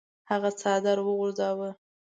هغه څادر وغورځاوه.